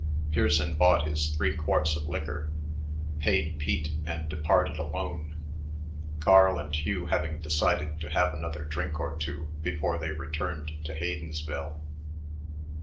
Pearson bought his three quarts of liquor, paid Pete, and departed alone, Carl and Hugh having decided to have another drink or two before they returned to Haydensville.